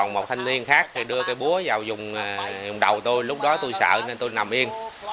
một thanh niên khác đưa cái búa vào dùng đầu tôi lúc đó tôi sợ nên tôi nằm yên